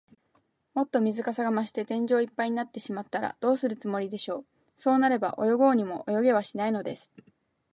もっと水かさが増して、天井いっぱいになってしまったら、どうするつもりでしょう。そうなれば、泳ごうにも泳げはしないのです。